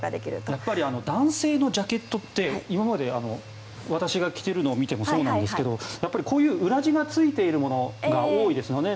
やっぱり男性のジャケットって今まで私が着ているのを見てもそうなんですけどこういう裏地がついているものが多いですよね。